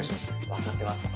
分かってます。